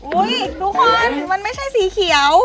ทุกคนมันไม่ใช่สีเขียว